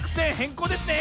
こうですね！